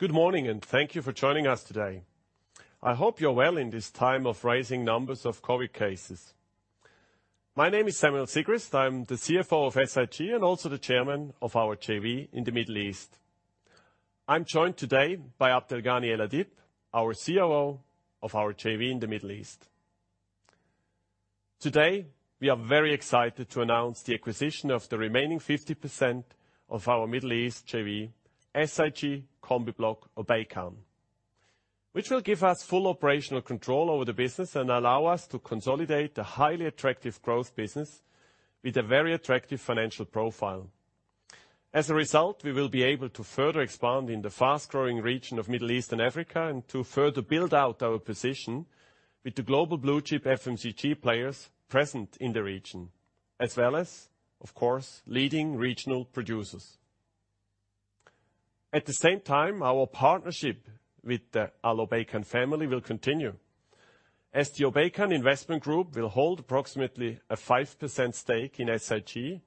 Good morning, thank you for joining us today. I hope you're well in this time of rising numbers of COVID cases. My name is Samuel Sigrist. I'm the CFO of SIG and also the chairman of our JV in the Middle East. I'm joined today by Abdelghany Eladib, our COO of our JV in the Middle East. Today, we are very excited to announce the acquisition of the remaining 50% of our Middle East JV, SIG Combibloc Obeikan, which will give us full operational control over the business and allow us to consolidate the highly attractive growth business with a very attractive financial profile. As a result, we will be able to further expand in the fast-growing region of Middle East and Africa and to further build out our position with the global blue-chip FMCG players present in the region, as well as, of course, leading regional producers. At the same time, our partnership with the Al Obeikan family will continue, as the Obeikan Investment Group will hold approximately a 5% stake in SIG.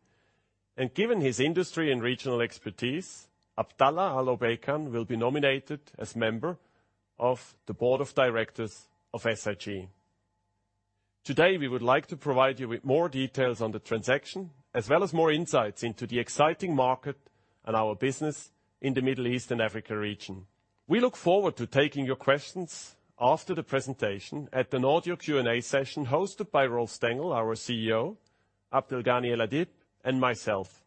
Given his industry and regional expertise, Abdallah Al Obeikan will be nominated as Member of the Board of Directors of SIG. Today, we would like to provide you with more details on the transaction, as well as more insights into the exciting market and our business in the Middle East and Africa region. We look forward to taking your questions after the presentation at an audio Q&A session hosted by Rolf Stangl, our CEO, Abdelghany Eladib, and myself.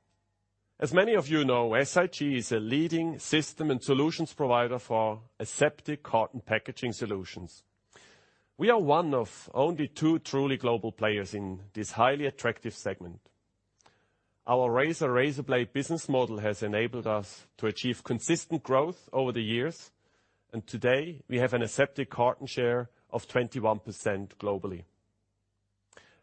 As many of you know, SIG is a leading system and solutions provider for aseptic carton packaging solutions. We are one of only two truly global players in this highly attractive segment. Our razor-and-blades business model has enabled us to achieve consistent growth over the years. Today, we have an aseptic carton share of 21% globally.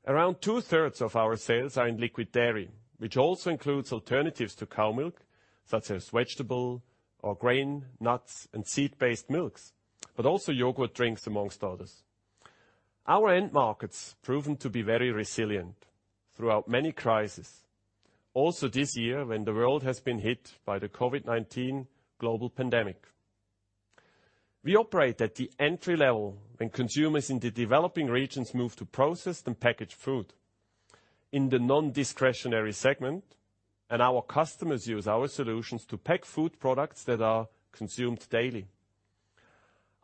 Around two-thirds of our sales are in liquid dairy, which also includes alternatives to cow milk, such as vegetable or grain, nuts, and seed-based milks, also yogurt drinks, amongst others. Our end market's proven to be very resilient throughout many crises, also this year, when the world has been hit by the COVID-19 global pandemic. We operate at the entry-level, when consumers in the developing regions move to processed and packaged food. In the non-discretionary segment, our customers use our solutions to pack food products that are consumed daily.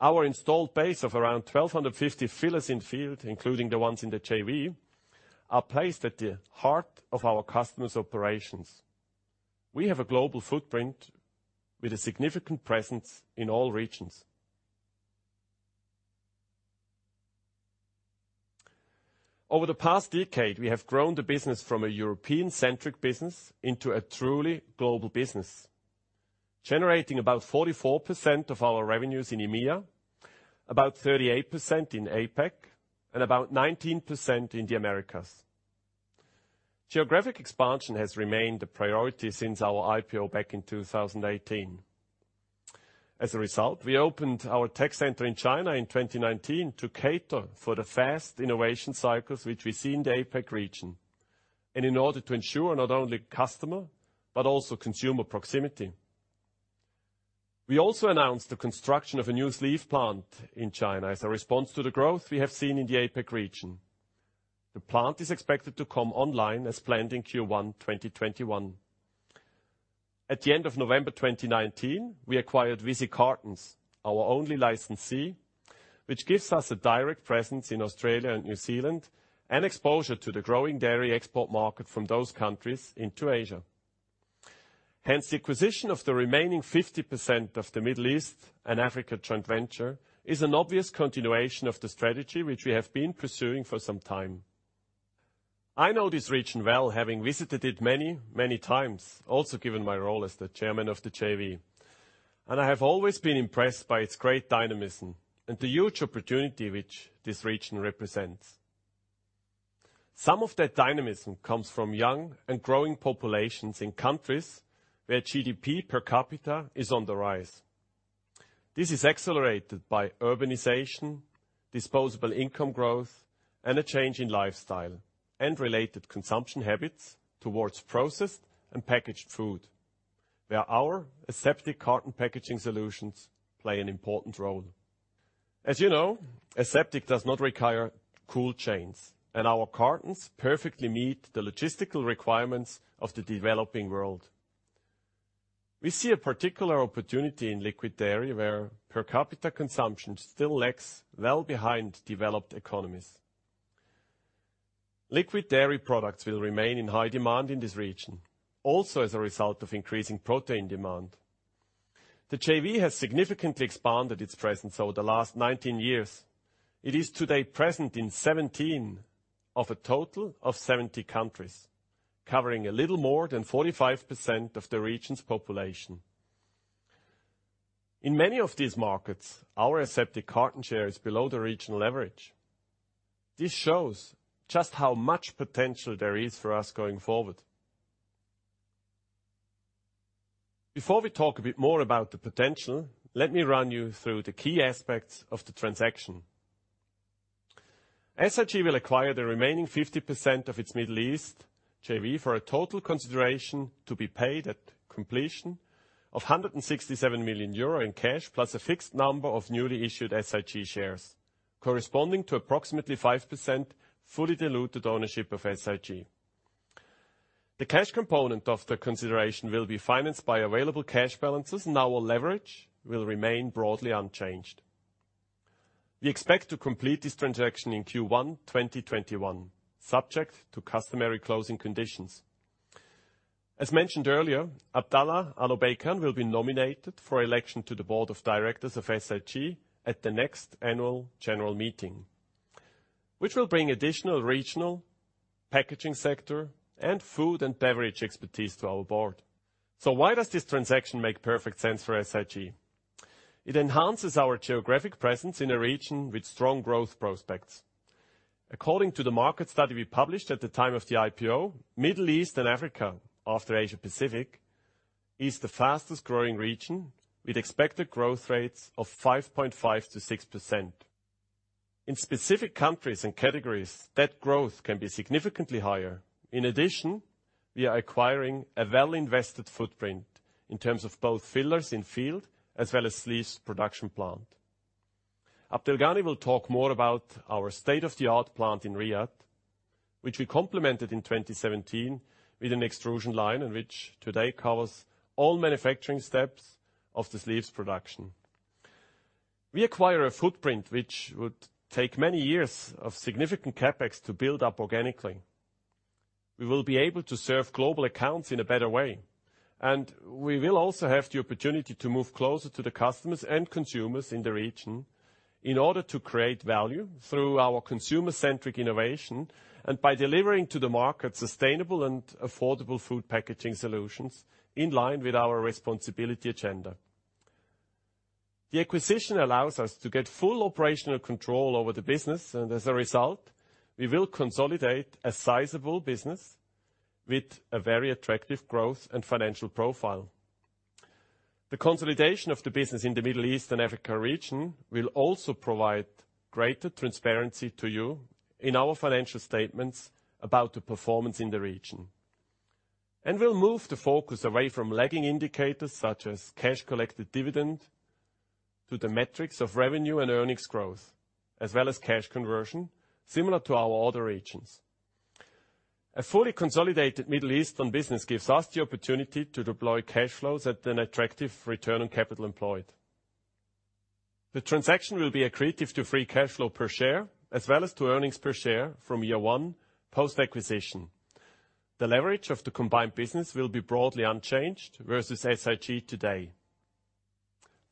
Our installed base of around 1,250 fillers in field, including the ones in the JV, are placed at the heart of our customers' operations. We have a global footprint with a significant presence in all regions. Over the past decade, we have grown the business from a European-centric business into a truly global business, generating about 44% of our revenues in EMEA, about 38% in APAC, and about 19% in the Americas. Geographic expansion has remained a priority since our IPO back in 2018. As a result, we opened our tech center in China in 2019 to cater for the fast innovation cycles which we see in the APAC region, and in order to ensure not only customer but also consumer proximity. We also announced the construction of a new sleeve plant in China as a response to the growth we have seen in the APAC region. The plant is expected to come online as planned in Q1 2021. At the end of November 2019, we acquired Visy Cartons, our only licensee, which gives us a direct presence in Australia and New Zealand and exposure to the growing dairy export market from those countries into Asia. The acquisition of the remaining 50% of the Middle East and Africa joint venture is an obvious continuation of the strategy which we have been pursuing for some time. I know this region well, having visited it many times, also given my role as the chairman of the JV, and I have always been impressed by its great dynamism and the huge opportunity which this region represents. Some of that dynamism comes from young and growing populations in countries where GDP per capita is on the rise. This is accelerated by urbanization, disposable income growth, and a change in lifestyle and related consumption habits towards processed and packaged food, where our aseptic carton packaging solutions play an important role. As you know, aseptic does not require cool chains, and our cartons perfectly meet the logistical requirements of the developing world. We see a particular opportunity in liquid dairy, where per capita consumption still lags well behind developed economies. Liquid dairy products will remain in high demand in this region, also as a result of increasing protein demand. The JV has significantly expanded its presence over the last 19 years. It is today present in 17 of a total of 70 countries, covering a little more than 45% of the region's population. In many of these markets, our aseptic carton share is below the regional average. This shows just how much potential there is for us going forward. Before we talk a bit more about the potential, let me run you through the key aspects of the transaction. SIG will acquire the remaining 50% of its Middle East JV for a total consideration to be paid at completion of 167 million euro in cash, plus a fixed number of newly issued SIG shares, corresponding to approximately 5% fully diluted ownership of SIG. The cash component of the consideration will be financed by available cash balances, and our leverage will remain broadly unchanged. We expect to complete this transaction in Q1 2021, subject to customary closing conditions. As mentioned earlier, Abdallah Al Obeikan will be nominated for election to the board of directors of SIG at the next annual general meeting, which will bring additional regional packaging sector and food and beverage expertise to our board. Why does this transaction make perfect sense for SIG? It enhances our geographic presence in a region with strong growth prospects. According to the market study we published at the time of the IPO, Middle East and Africa, after Asia-Pacific, is the fastest growing region, with expected growth rates of 5.5%-6%. In specific countries and categories, that growth can be significantly higher. In addition, we are acquiring a well-invested footprint in terms of both fillers in field as well as sleeves production plant. Abdelghany will talk more about our state-of-the-art plant in Riyadh, which we complemented in 2017 with an extrusion line and which today covers all manufacturing steps of the sleeves production. We acquire a footprint which would take many years of significant CapEx to build up organically. We will be able to serve global accounts in a better way. We will also have the opportunity to move closer to the customers and consumers in the region in order to create value through our consumer-centric innovation, and by delivering to the market sustainable and affordable food packaging solutions in line with our responsibility agenda. The acquisition allows us to get full operational control over the business. As a result, we will consolidate a sizable business with a very attractive growth and financial profile. The consolidation of the business in the Middle East and Africa region will also provide greater transparency to you in our financial statements about the performance in the region. It will move the focus away from lagging indicators such as cash collected dividend to the metrics of revenue and earnings growth, as well as cash conversion, similar to our other regions. A fully consolidated Middle Eastern business gives us the opportunity to deploy cash flows at an attractive return on capital employed. The transaction will be accretive to free cash flow per share as well as to earnings per share from year one post-acquisition. The leverage of the combined business will be broadly unchanged versus SIG today.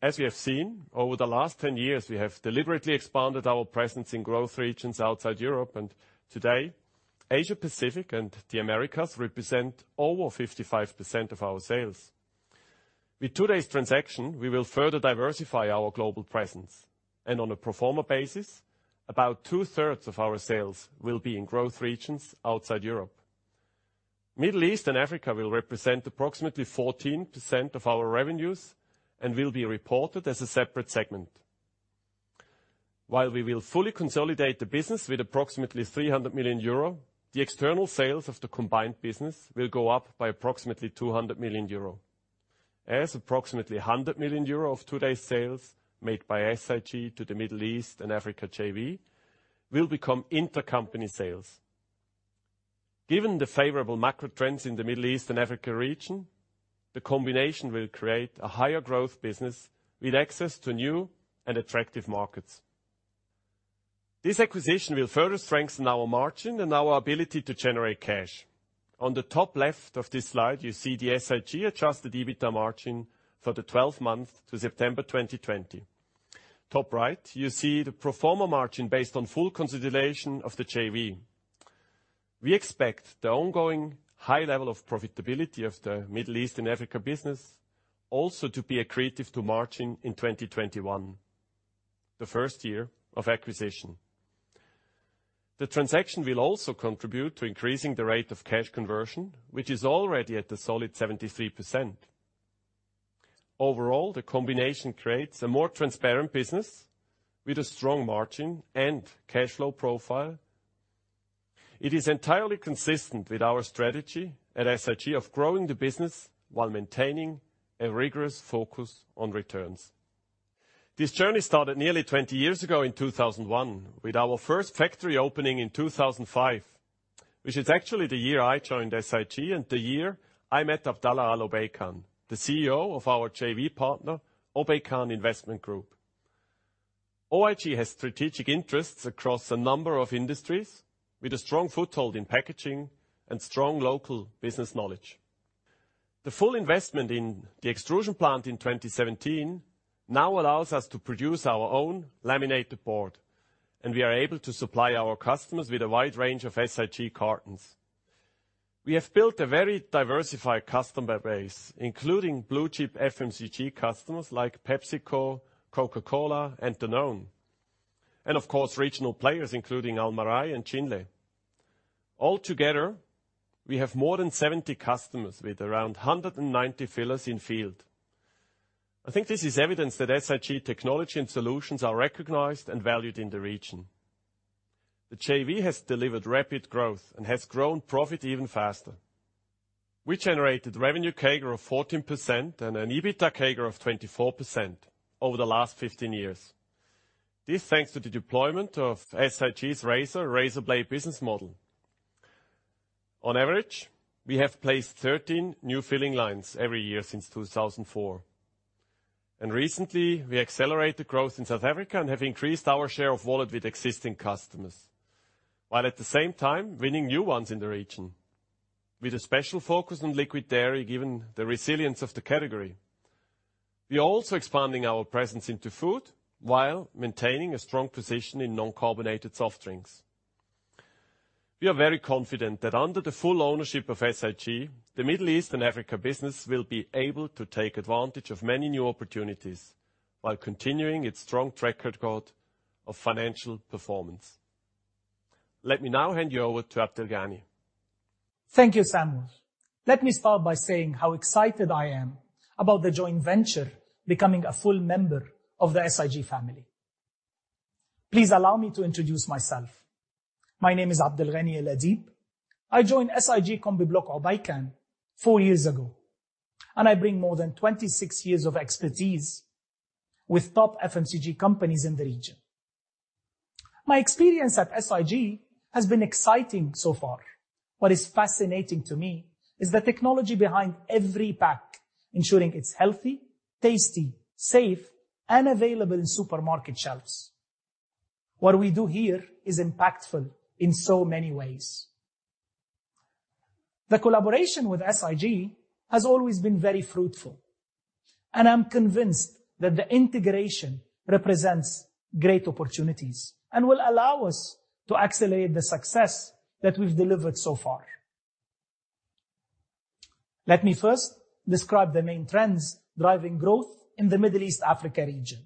As we have seen, over the last 10 years, we have deliberately expanded our presence in growth regions outside Europe, and today, Asia-Pacific and the Americas represent over 55% of our sales. With today's transaction, we will further diversify our global presence, and on a pro forma basis, about 2/3 of our sales will be in growth regions outside Europe. Middle East and Africa will represent approximately 14% of our revenues and will be reported as a separate segment. While we will fully consolidate the business with approximately 300 million euro, the external sales of the combined business will go up by approximately 200 million euro. As approximately 100 million euro of today's sales made by SIG to the Middle East and Africa JV will become intercompany sales. Given the favorable macro trends in the Middle East and Africa region, the combination will create a higher growth business with access to new and attractive markets. This acquisition will further strengthen our margin and our ability to generate cash. On the top left of this slide, you see the SIG adjusted EBITDA margin for the 12 months to September 2020. Top right, you see the pro forma margin based on full consolidation of the JV. We expect the ongoing high level of profitability of the Middle East and Africa business also to be accretive to margin in 2021, the first year of acquisition. The transaction will also contribute to increasing the rate of cash conversion, which is already at a solid 73%. Overall, the combination creates a more transparent business with a strong margin and cash flow profile. It is entirely consistent with our strategy at SIG of growing the business while maintaining a rigorous focus on returns. This journey started nearly 20 years ago in 2001 with our first factory opening in 2005, which is actually the year I joined SIG and the year I met Abdallah Al Obeikan, the CEO of our JV partner, Obeikan Investment Group. OIG has strategic interests across a number of industries with a strong foothold in packaging and strong local business knowledge. The full investment in the extrusion plant in 2017 now allows us to produce our own laminated board, and we are able to supply our customers with a wide range of SIG cartons. We have built a very diversified customer base, including blue-chip FMCG customers like PepsiCo, Coca-Cola, and Danone, and of course, regional players including Almarai and Chinle. Altogether, we have more than 70 customers with around 190 fillers in field. I think this is evidence that SIG technology and solutions are recognized and valued in the region. The JV has delivered rapid growth and has grown profit even faster. We generated revenue CAGR of 14% and an EBITDA CAGR of 24% over the last 15 years. This thanks to the deployment of SIG's razor-and-blades business model. On average, we have placed 13 new filling lines every year since 2004. Recently, we accelerated growth in South Africa and have increased our share of wallet with existing customers, while at the same time, winning new ones in the region. With a special focus on liquid dairy, given the resilience of the category. We are also expanding our presence into food while maintaining a strong position in non-carbonated soft drinks. We are very confident that under the full ownership of SIG, the Middle East and Africa business will be able to take advantage of many new opportunities while continuing its strong track record of financial performance. Let me now hand you over to Abdelghany. Thank you, Samuel. Let me start by saying how excited I am about the joint venture becoming a full member of the SIG family. Please allow me to introduce myself. My name is Abdelghany Eladib. I joined SIG Combibloc Obeikan four years ago, and I bring more than 26 years of expertise with top FMCG companies in the region. My experience at SIG has been exciting so far. What is fascinating to me is the technology behind every pack, ensuring it's healthy, tasty, safe, and available in supermarket shelves. What we do here is impactful in so many ways. The collaboration with SIG has always been very fruitful, and I'm convinced that the integration represents great opportunities and will allow us to accelerate the success that we've delivered so far. Let me first describe the main trends driving growth in the Middle East/Africa region.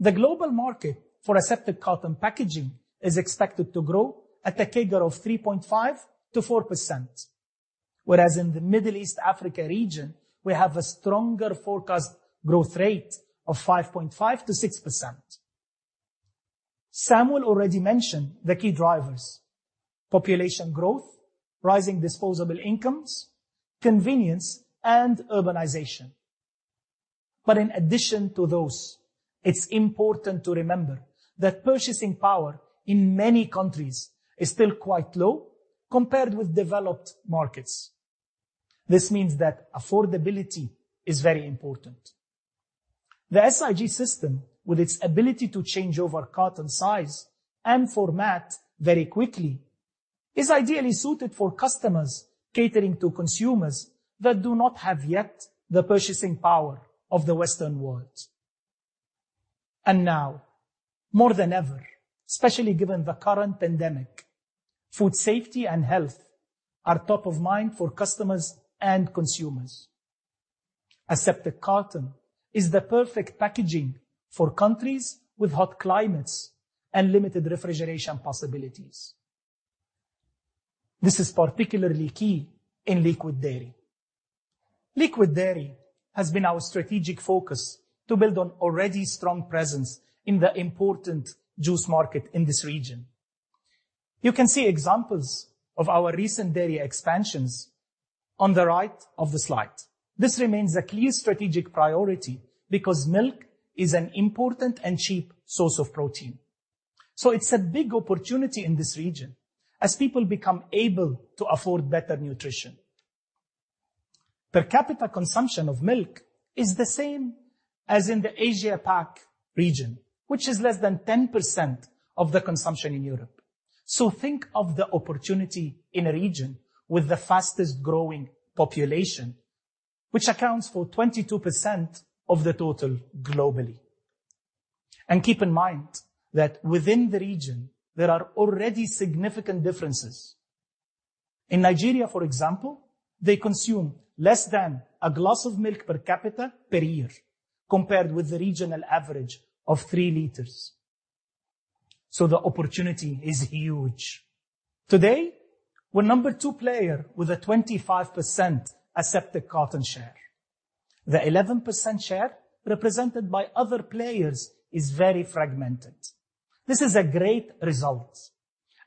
The global market for aseptic carton packaging is expected to grow at a CAGR of 3.5%-4%, whereas in the Middle East/Africa region, we have a stronger forecast growth rate of 5.5%-6%. Samuel already mentioned the key drivers: population growth, rising disposable incomes, convenience, and urbanization. In addition to those, it's important to remember that purchasing power in many countries is still quite low compared with developed markets. This means that affordability is very important. The SIG system, with its ability to change over carton size and format very quickly, is ideally suited for customers catering to consumers that do not have yet the purchasing power of the Western world. Now, more than ever, especially given the current pandemic, food safety and health are top of mind for customers and consumers. Aseptic carton is the perfect packaging for countries with hot climates and limited refrigeration possibilities. This is particularly key in liquid dairy. Liquid dairy has been our strategic focus to build on already strong presence in the important juice market in this region. You can see examples of our recent dairy expansions on the right of the slide. This remains a key strategic priority because milk is an important and cheap source of protein. It's a big opportunity in this region as people become able to afford better nutrition. Per capita consumption of milk is the same as in the Asia PAC region, which is less than 10% of the consumption in Europe. Think of the opportunity in a region with the fastest-growing population, which accounts for 22% of the total globally. Keep in mind that within the region, there are already significant differences. In Nigeria, for example, they consume less than a glass of milk per capita per year, compared with the regional average of 3 liters. The opportunity is huge. Today, we're number two player with a 25% aseptic carton share. The 11% share represented by other players is very fragmented. This is a great result,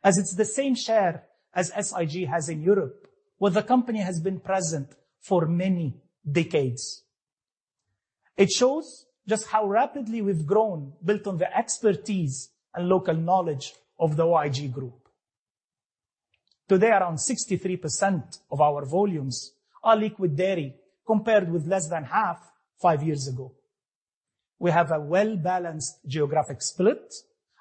as it's the same share as SIG has in Europe, where the company has been present for many decades. It shows just how rapidly we've grown, built on the expertise and local knowledge of the OIG group. Today, around 63% of our volumes are liquid dairy, compared with less than half five years ago. We have a well-balanced geographic split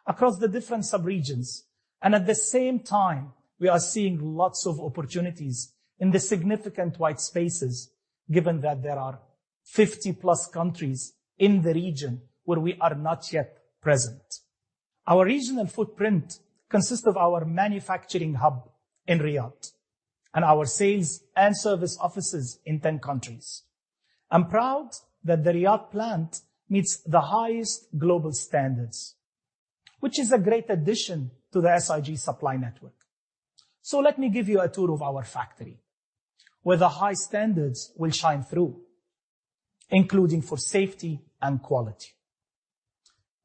across the different subregions, at the same time, we are seeing lots of opportunities in the significant white spaces, given that there are 50-plus countries in the region where we are not yet present. Our regional footprint consists of our manufacturing hub in Riyadh and our sales and service offices in 10 countries. I'm proud that the Riyadh Plant meets the highest global standards, which is a great addition to the SIG Supply Network. Let me give you a tour of our factory, where the high standards will shine through, including for safety and quality.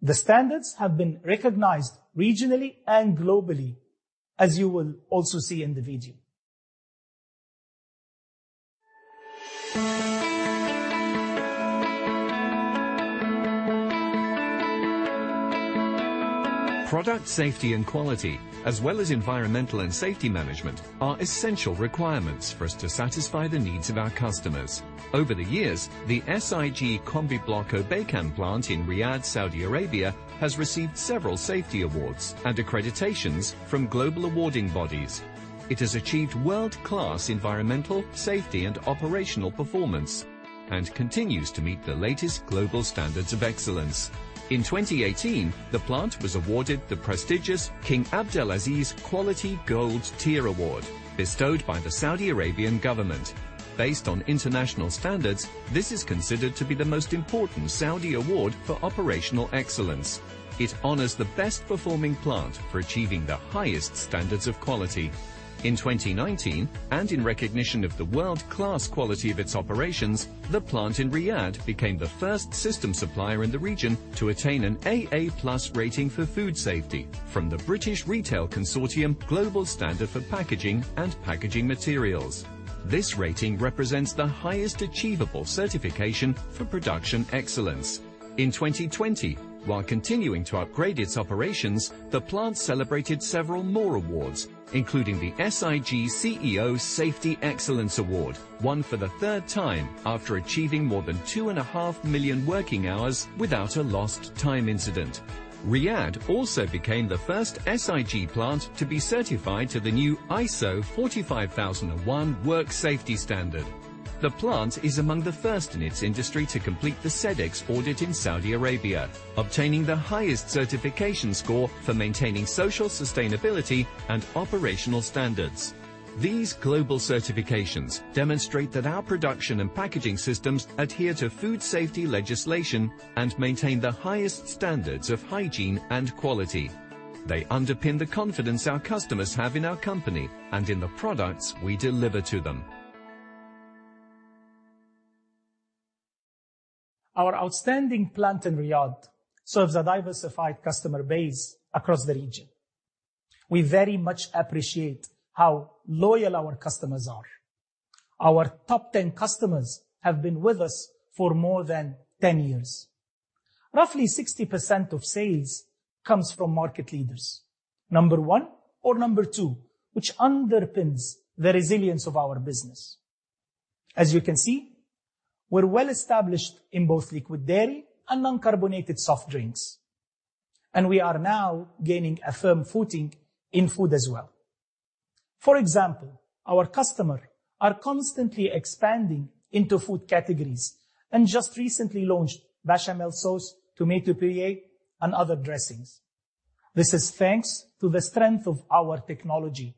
The standards have been recognized regionally and globally, as you will also see in the video. Product safety and quality, as well as environmental and safety management, are essential requirements for us to satisfy the needs of our customers. Over the years, the SIG Combibloc Obeikan plant in Riyadh, Saudi Arabia, has received several safety awards and accreditations from global awarding bodies. It has achieved world-class environmental, safety, and operational performance and continues to meet the latest global standards of excellence. In 2018, the plant was awarded the prestigious King Abdulaziz Quality Gold Tier Award, bestowed by the Saudi Arabian government. Based on international standards, this is considered to be the most important Saudi award for operational excellence. It honors the best-performing plant for achieving the highest standards of quality. In 2019, and in recognition of the world-class quality of its operations, the plant in Riyadh became the first system supplier in the region to attain an AA+ rating for food safety from the British Retail Consortium Global Standard for Packaging and Packaging Materials. This rating represents the highest achievable certification for production excellence. In 2020, while continuing to upgrade its operations, the plant celebrated several more awards, including the SIG CEO's Safety Excellence Award, won for the third time after achieving more than two and a half million working hours without a lost time incident. Riyadh also became the first SIG plant to be certified to the new ISO 45001 work safety standard. The plant is among the first in its industry to complete the Sedex audit in Saudi Arabia, obtaining the highest certification score for maintaining social sustainability and operational standards. These global certifications demonstrate that our production and packaging systems adhere to food safety legislation and maintain the highest standards of hygiene and quality. They underpin the confidence our customers have in our company and in the products we deliver to them. Our outstanding plant in Riyadh serves a diversified customer base across the region. We very much appreciate how loyal our customers are. Our top 10 customers have been with us for more than 10 years. Roughly 60% of sales comes from market leaders, number one or number two, which underpins the resilience of our business. As you can see, we're well-established in both liquid dairy and non-carbonated soft drinks, and we are now gaining a firm footing in food as well. For example, our customers are constantly expanding into food categories and just recently launched bechamel sauce, tomato puree, and other dressings. This is thanks to the strength of our technology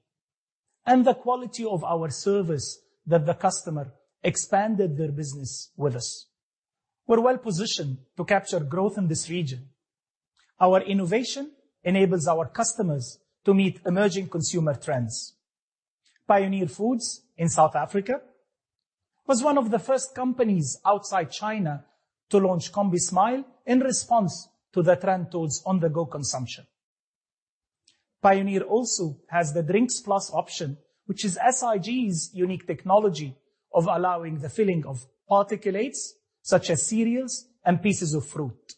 and the quality of our service that the customer expanded their business with us. We're well-positioned to capture growth in this region. Our innovation enables our customers to meet emerging consumer trends. Pioneer Foods in South Africa was one of the first companies outside China to launch combismile in response to the trend towards on-the-go consumption. Pioneer also has the drinksplus option, which is SIG's unique technology of allowing the filling of particulates, such as cereals and pieces of fruit.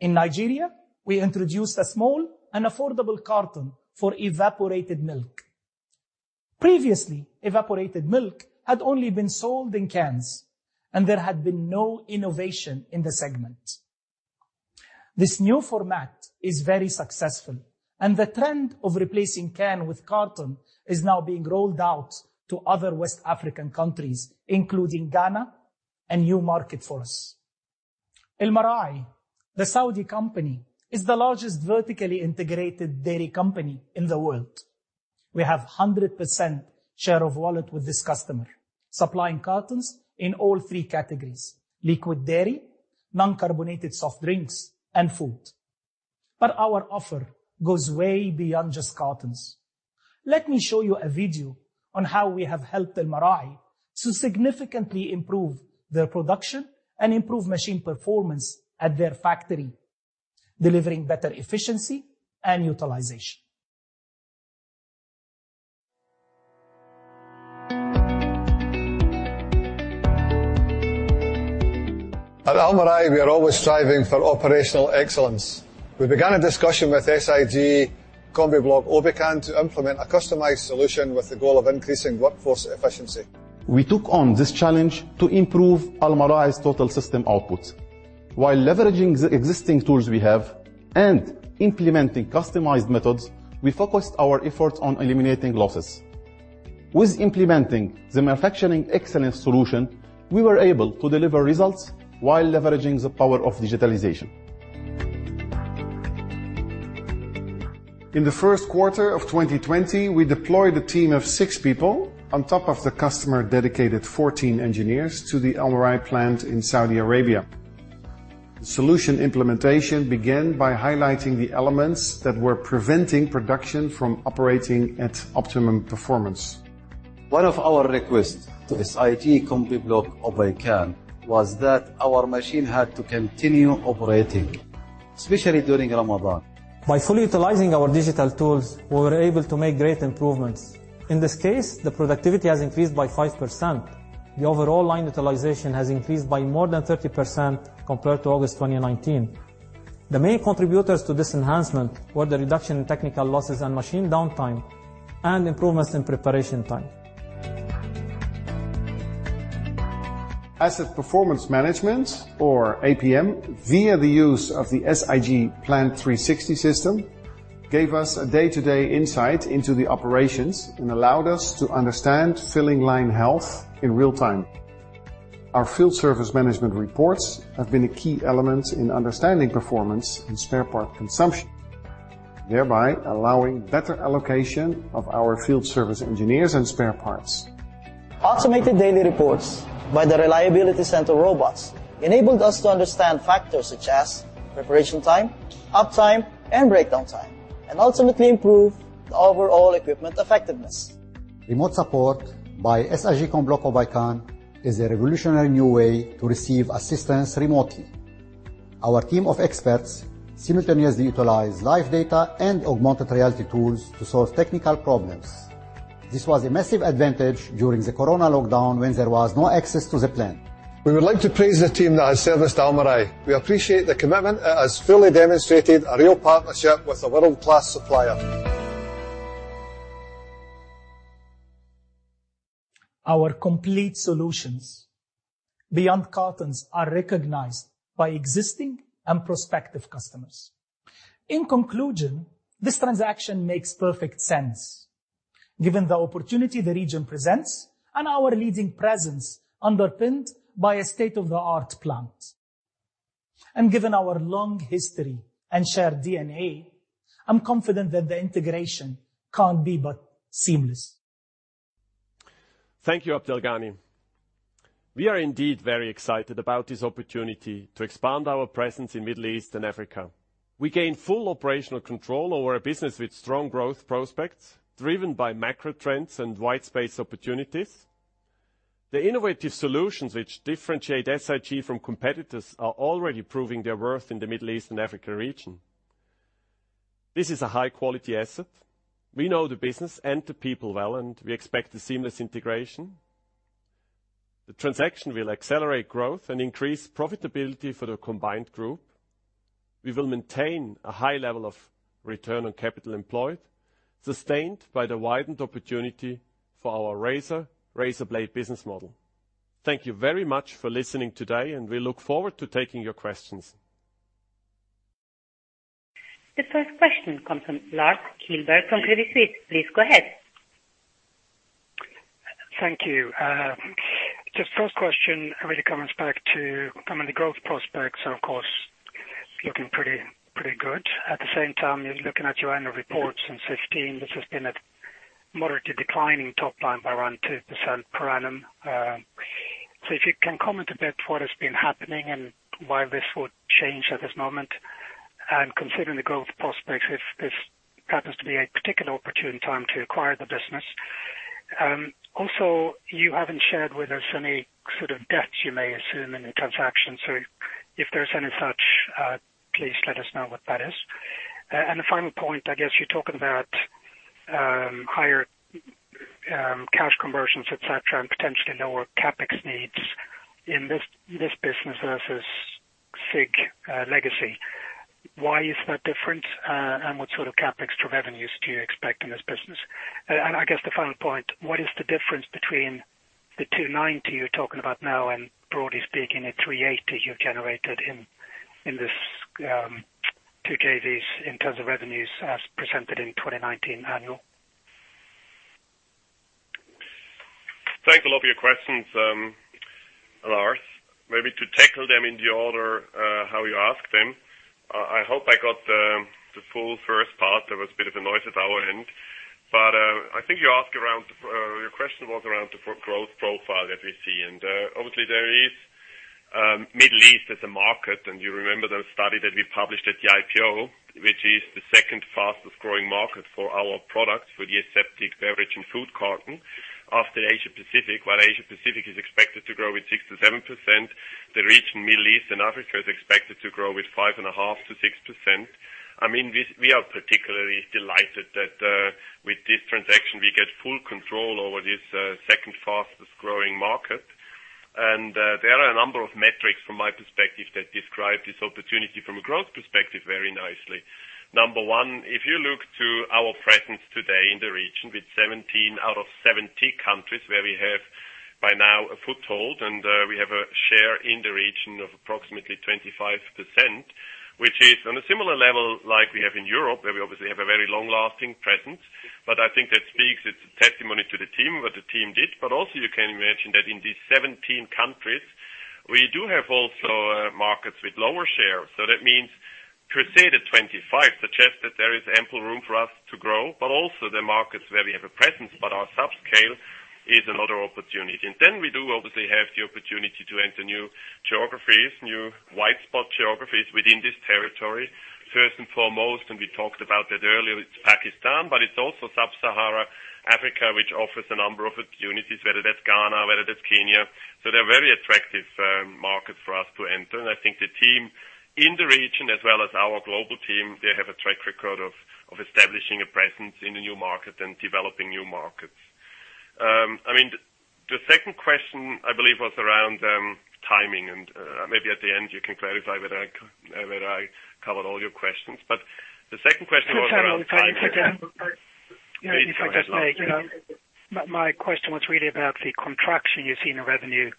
In Nigeria, we introduced a small and affordable carton for evaporated milk. Previously, evaporated milk had only been sold in cans, and there had been no innovation in the segment. This new format is very successful, and the trend of replacing can with carton is now being rolled out to other West African countries, including Ghana, a new market for us. Almarai, the Saudi company, is the largest vertically integrated dairy company in the world. We have 100% share of wallet with this customer, supplying cartons in all three categories: liquid dairy, non-carbonated soft drinks, and food. Our offer goes way beyond just cartons. Let me show you a video on how we have helped Almarai to significantly improve their production and improve machine performance at their factory, delivering better efficiency and utilization. At Almarai, we are always striving for operational excellence. We began a discussion with SIG Combibloc Obeikan to implement a customized solution with the goal of increasing workforce efficiency. We took on this challenge to improve Almarai's total system output. While leveraging the existing tools we have and implementing customized methods, we focused our efforts on eliminating losses. With implementing the manufacturing excellence solution, we were able to deliver results while leveraging the power of digitalization. In the first quarter of 2020, we deployed a team of six people on top of the customer-dedicated 14 engineers to the Almarai plant in Saudi Arabia. Solution implementation began by highlighting the elements that were preventing production from operating at optimum performance. One of our requests to SIG Combibloc Obeikan was that our machine had to continue operating, especially during Ramadan. By fully utilizing our digital tools, we were able to make great improvements. In this case, the productivity has increased by 5%. The overall line utilization has increased by more than 30% compared to August 2019. The main contributors to this enhancement were the reduction in technical losses and machine downtime, and improvements in preparation time. Asset performance management, or APM, via the use of the SIG Plant 360 system, gave us a day-to-day insight into the operations and allowed us to understand filling line health in real time. Our field service management reports have been a key element in understanding performance and spare part consumption, thereby allowing better allocation of our field service engineers and spare parts. Automated daily reports by the reliability center robots enabled us to understand factors such as preparation time, uptime, and breakdown time, and ultimately improve the overall equipment effectiveness. Remote support by SIG Combibloc Obeikan is a revolutionary new way to receive assistance remotely. Our team of experts simultaneously utilize live data and augmented reality tools to solve technical problems. This was a massive advantage during the corona lockdown when there was no access to the plant. We would like to praise the team that has serviced Almarai. We appreciate the commitment. It has fully demonstrated a real partnership with a world-class supplier. Our complete solutions, beyond cartons, are recognized by existing and prospective customers. In conclusion, this transaction makes perfect sense given the opportunity the region presents and our leading presence underpinned by a state-of-the-art plant. Given our long history and shared DNA, I'm confident that the integration can't be but seamless. Thank you, Abdelghany. We are indeed very excited about this opportunity to expand our presence in Middle East and Africa. We gain full operational control over a business with strong growth prospects, driven by macro trends and white space opportunities. The innovative solutions which differentiate SIG from competitors are already proving their worth in the Middle East and Africa region. This is a high-quality asset. We know the business and the people well, and we expect a seamless integration. The transaction will accelerate growth and increase profitability for the combined group. We will maintain a high level of return on capital employed, sustained by the widened opportunity for our razor-and-blades business model. Thank you very much for listening today, and we look forward to taking your questions. The first question comes from Lars Kilberg from Credit Suisse. Please go ahead. Thank you. Just first question really comes back to the growth prospects are, of course, looking pretty good. At the same time, looking at your annual reports since 2015, this has been a moderately declining top line by around 2% per annum. If you can comment a bit what has been happening and why this would change at this moment? Considering the growth prospects, if this happens to be a particular opportune time to acquire the business. You haven't shared with us any sort of debt you may assume in the transaction. If there's any such, please let us know what that is. The final point, I guess you're talking about higher cash conversions, et cetera, and potentially lower CapEx needs in this business versus SIG legacy. Why is that different? What sort of CapEx to revenues do you expect in this business? I guess the final point, what is the difference between the 290 you're talking about now and broadly speaking, the 380 you generated in these two JVs in terms of revenues as presented in 2019 annual? Thanks a lot for your questions, Lars. Maybe to tackle them in the order how you ask them. I hope I got the full first part. There was a bit of a noise at our end. I think your question was around the growth profile that we see. Obviously, there is Middle East as a market, and you remember the study that we published at the IPO, which is the second fastest-growing market for our products for the aseptic beverage and food carton after Asia-Pacific. While Asia-Pacific is expected to grow with 6%-7%, the region Middle East and Africa is expected to grow with 5.5%-6%. We are particularly delighted that with this transaction, we get full control over this second fastest-growing market. There are a number of metrics from my perspective that describe this opportunity from a growth perspective very nicely. Number one, if you look to our presence today in the region with 17 out of 70 countries where we have by now a foothold, and we have a share in the region of approximately 25%, which is on a similar level like we have in Europe, where we obviously have a very long-lasting presence. I think that speaks, it's a testimony to the team, what the team did. Also you can imagine that in these 17 countries, we do have also markets with lower share. That means. Per se, the 25 suggests that there is ample room for us to grow, but also the markets where we have a presence, but are subscale is another opportunity. Then we do obviously have the opportunity to enter new geographies, new white spot geographies within this territory. First and foremost, and we talked about that earlier, it's Pakistan, but it's also sub-Sahara Africa, which offers a number of opportunities, whether that's Ghana, whether that's Kenya. They're very attractive markets for us to enter. I think the team in the region, as well as our global team, they have a track record of establishing a presence in the new market and developing new markets. The second question, I believe, was around timing, and maybe at the end you can clarify whether I covered all your questions. The second question was around timing. Yeah. If I may. My question was really about the contraction you've seen in revenue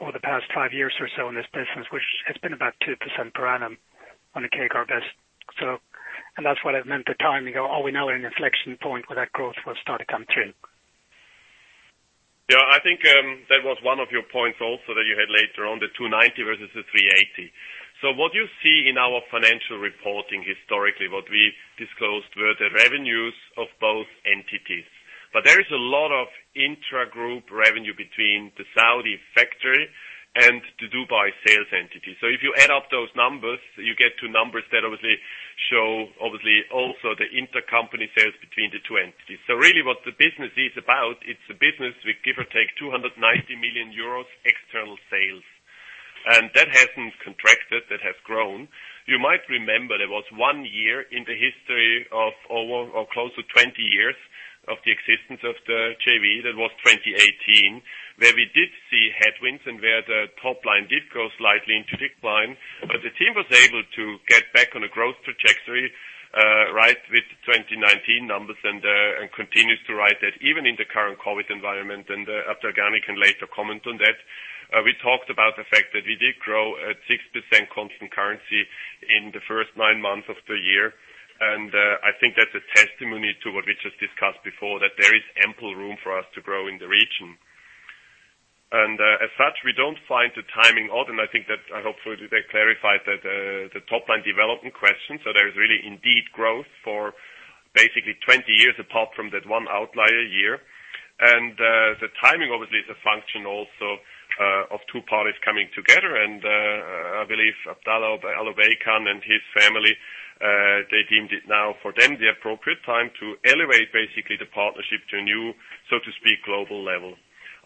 over the past five years or so in this business, which has been about 2% per annum on a CAGR basis. That's what I meant, the timing. Are we now at an inflection point where that growth will start to come through? Yeah, I think that was one of your points also that you had later on, the 290 versus the 380. What you see in our financial reporting historically, what we disclosed, were the revenues of both entities. There is a lot of intragroup revenue between the Saudi factory and the Dubai sales entity. If you add up those numbers, you get to numbers that obviously show obviously also the intercompany sales between the two entities. Really what the business is about, it's a business with give or takeEUR 290 million external sales. That hasn't contracted, that has grown. You might remember there was one year in the history of over, or close to 20 years of the existence of the JV. That was 2018, where we did see headwinds and where the top line did go slightly into decline. The team was able to get back on a growth trajectory, right, with 2019 numbers and continues to right that even in the current COVID environment. Abdelghany can later comment on that. We talked about the fact that we did grow at 6% constant currency in the first nine months of the year. I think that's a testimony to what we just discussed before, that there is ample room for us to grow in the region. As such, we don't find the timing odd. I think that I hopefully clarified the top line development question. There's really indeed growth for basically 20 years apart from that one outlier year. The timing obviously is a function also of two parties coming together. I believe Abdallah Al Obeikan and his family, they deemed it now for them the appropriate time to elevate basically the partnership to a new, so to speak, global level.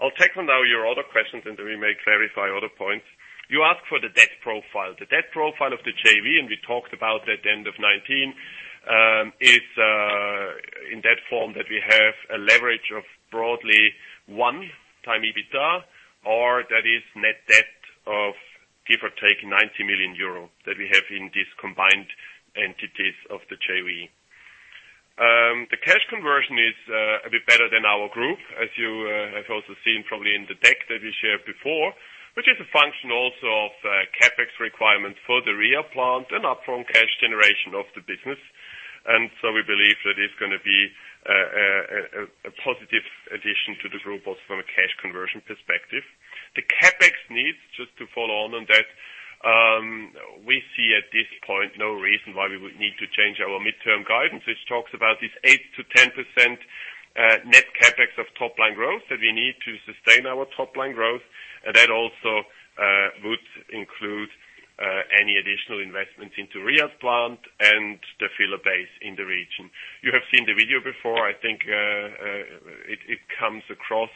I will tackle now your other questions, then we may clarify other points. You asked for the debt profile. The debt profile of the JV, we talked about at the end of 2019, is in that form that we have a leverage of broadly one time EBITDA, or that is net debt of give or take 90 million euro that we have in these combined entities of the JV. The cash conversion is a bit better than our group, as you have also seen probably in the deck that we shared before, which is a function also of CapEx requirements for the Riyadh plant and upfront cash generation of the business. We believe that is going to be a positive addition to the group also from a cash conversion perspective. The CapEx needs, just to follow on that, we see at this point no reason why we would need to change our midterm guidance, which talks about this 8%-10% net CapEx of top line growth that we need to sustain our top line growth. That also would include any additional investments into Riyadh plant and the filler base in the region. You have seen the video before. I think it comes across,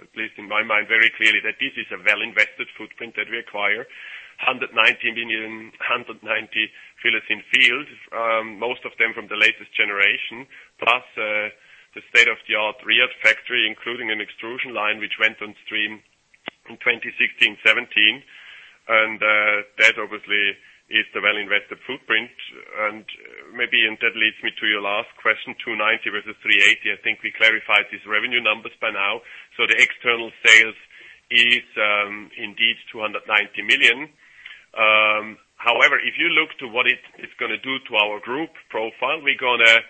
at least in my mind, very clearly that this is a well invested footprint that we acquire. 190 million, 190 fillers in field, most of them from the latest generation. Plus the state-of-the-art Riyadh factory, including an extrusion line, which went on stream in 2016, 2017. That obviously is the well invested footprint. Maybe that leads me to your last question, 290 versus 380. I think we clarified these revenue numbers by now. The external sales is indeed 290 million. However, if you look to what it's going to do to our group profile, we're going to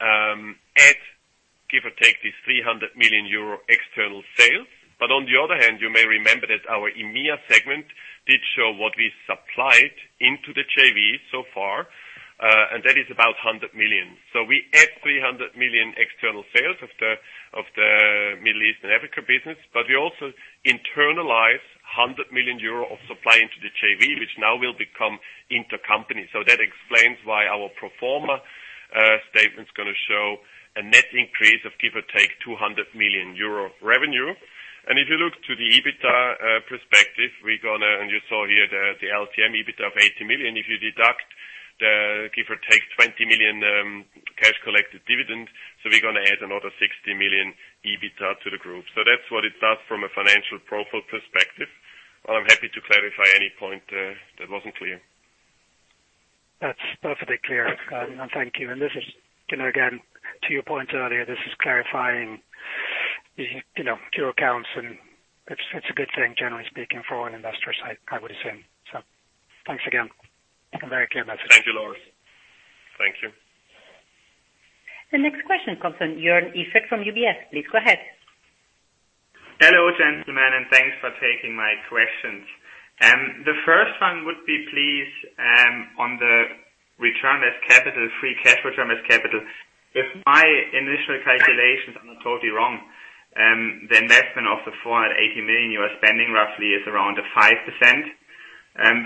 add, give or take, this 300 million euro external sales. On the other hand, you may remember that our EMEA segment did show what we supplied into the JV so far. That is about 100 million. We add 300 million external sales of the Middle East and Africa business. We also internalize 100 million euro of supply into the JV, which now will become intercompany. That explains why our pro forma statement is going to show a net increase of give or take 200 million euro revenue. If you look to the EBITDA perspective, you saw here the LTM EBITDA of 80 million. If you deduct the give or take 20 million cash collected dividend. We're going to add another 60 million EBITDA to the group. That's what it does from a financial profile perspective. I'm happy to clarify any point that wasn't clear. That's perfectly clear. Thank you. This is, again, to your point earlier, this is clarifying your accounts, and it's a good thing, generally speaking, for an investor side, I would assume so. Thanks again. A very clear message. Thank you, Lars. The next question comes from Joern Iffert from UBS. Please go ahead. Hello, gentlemen, and thanks for taking my questions. The first one would be, please, on the return as capital, free cash return as capital. If my initial calculations are not totally wrong, the investment of the 480 million you are spending roughly is around 5%.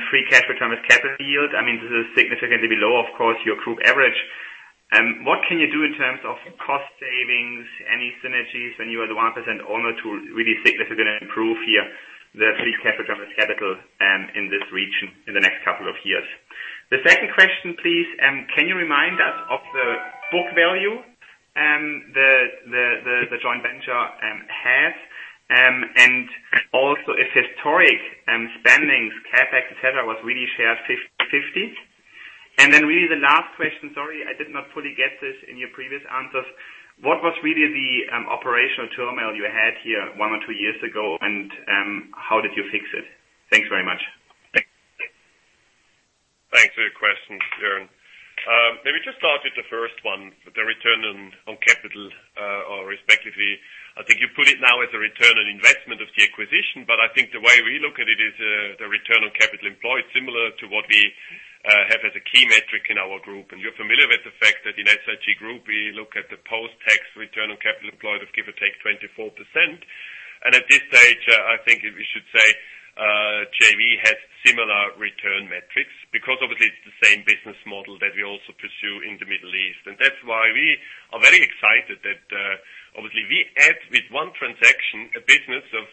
Free cash return as capital yield, this is significantly below, of course, your group average. What can you do in terms of cost savings, any synergies when you are the 1% owner to really significantly improve here the free cash return as capital in this region in the next couple of years? The second question, please, can you remind us of the book value the joint venture has, and also if historic spendings, CapEx, et cetera, was really shared 50/50? Really the last question, sorry, I did not fully get this in your previous answers. What was really the operational turmoil you had here one or two years ago, and how did you fix it? Thanks very much. Thanks for your questions, Joern. Maybe just start with the first one, the return on capital, or respectively, I think you put it now as a return on investment of the acquisition, but I think the way we look at it is the return on capital employed, similar to what we have as a key metric in our group. You're familiar with the fact that in SIG Group, we look at the post-tax return on capital employed of give or take 24%. At this stage, I think we should say JV has similar return metrics, because obviously it's the same business model that we also pursue in the Middle East. That's why we are very excited that obviously we add with one transaction a business of,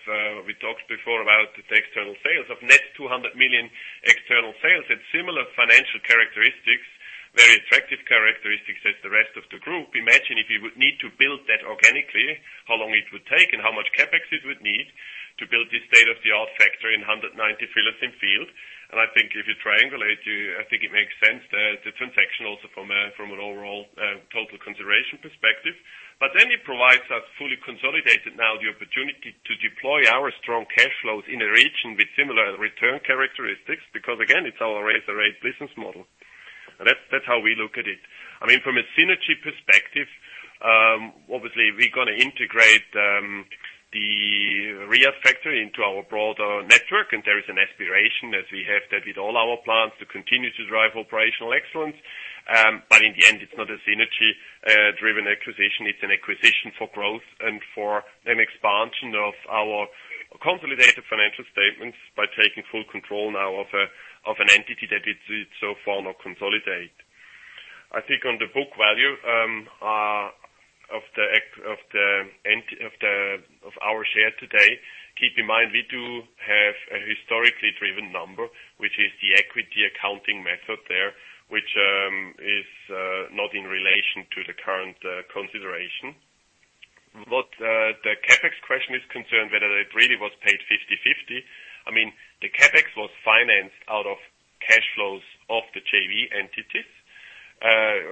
we talked before about the external sales of net 200 million external sales. It's similar financial characteristics, very attractive characteristics as the rest of the group. Imagine if you would need to build that organically, how long it would take and how much CapEx it would need to build this state-of-the-art factory in 190 Philipson Field. I think if you triangulate, I think it makes sense, the transaction also from an overall total consideration perspective. It provides us fully consolidated now the opportunity to deploy our strong cash flows in a region with similar return characteristics. Again, it's our razor-and-blades business model. That's how we look at it. From a synergy perspective, obviously we're going to integrate the Riyadh factory into our broader network, and there is an aspiration as we have that with all our plants to continue to drive operational excellence. In the end, it's not a synergy-driven acquisition. It's an acquisition for growth and for an expansion of our consolidated financial statements by taking full control now of an entity that it's so far not consolidate. I think on the book value of our share today, keep in mind, we do have a historically driven number, which is the equity accounting method there, which is not in relation to the current consideration. What the CapEx question is concerned whether it really was paid 50/50. The CapEx was financed out of cash flows of the JV entities.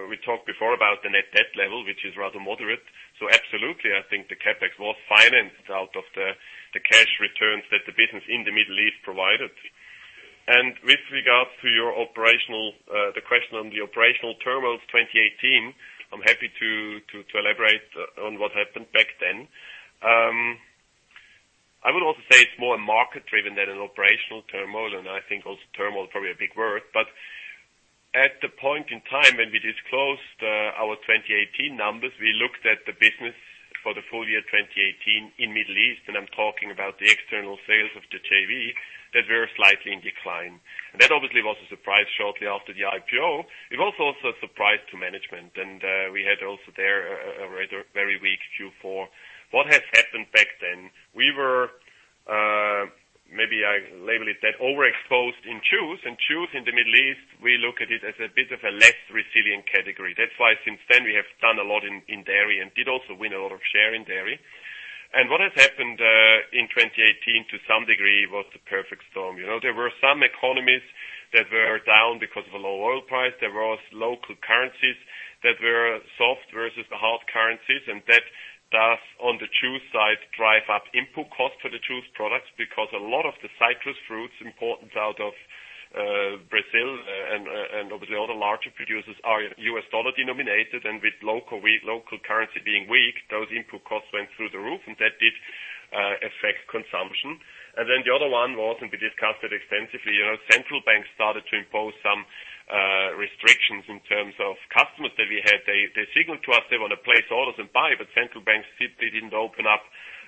We talked before about the net debt level, which is rather moderate. Absolutely, I think the CapEx was financed out of the cash returns that the business in the Middle East provided. With regards to the question on the operational turmoil of 2018, I'm happy to elaborate on what happened back then. I would also say it's more a market-driven than an operational turmoil, and I think also turmoil is probably a big word. At the point in time when we disclosed our 2018 numbers, we looked at the business for the full year 2018 in Middle East, and I'm talking about the external sales of the JV that were slightly in decline. That obviously was a surprise shortly after the IPO. It was also a surprise to management, and we had also there a rather very weak Q4. What has happened back then, we were, maybe I label it that, overexposed in juice. Juice in the Middle East, we look at it as a bit of a less resilient category. That's why since then we have done a lot in dairy and did also win a lot of share in dairy. What has happened in 2018 to some degree was the perfect storm. There were some economies that were down because of a low oil price. There were local currencies that were soft versus the hard currencies, and that does, on the juice side, drive up input cost for the juice products because a lot of the citrus fruits imported out of Brazil and obviously other larger producers are US dollar denominated, and with local currency being weak, those input costs went through the roof, and that did affect consumption. Then the other one was, and we discussed it extensively, central banks started to impose some restrictions in terms of customers that we had. They signaled to us they want to place orders and buy, but central banks said they didn't open up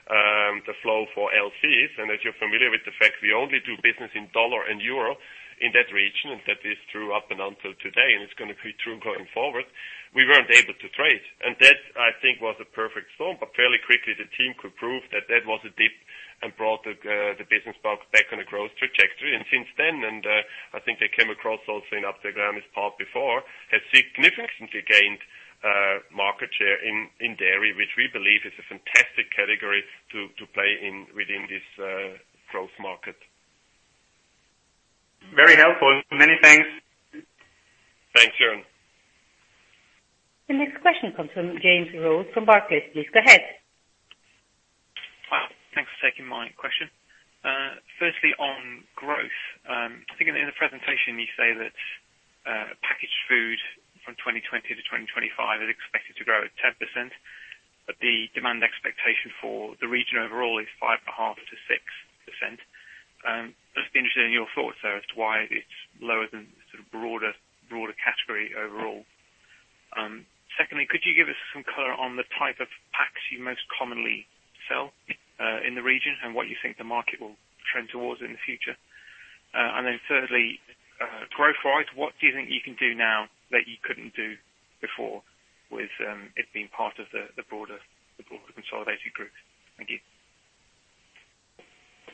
the flow for LCs. As you're familiar with the fact we only do business in dollar and euro in that region, and that is through up and until today, and it's going to be true going forward. We weren't able to trade. That, I think, was a perfect storm. Fairly quickly, the team could prove that that was a dip and brought the business back on a growth trajectory. Since then, and I think they came across also in Abdelghany's part before, has significantly gained market share in dairy, which we believe is a fantastic category to play within this growth market. Very helpful. Many thanks. Thanks, Joern. The next question comes from James Rose from Barclays. Please go ahead. Firstly, on growth, I think in the presentation you say that packaged food from 2020 to 2025 is expected to grow at 10%, but the demand expectation for the region overall is 5.5%-6%. Just interested in your thoughts there as to why it's lower than the broader category overall. Secondly, could you give us some color on the type of packs you most commonly sell in the region and what you think the market will trend towards in the future? Thirdly, growth-wise, what do you think you can do now that you couldn't do before with it being part of the broader consolidated group? Thank you.